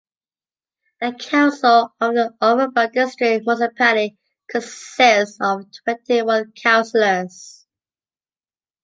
The council of the Overberg District Municipality consists of twenty-one councillors.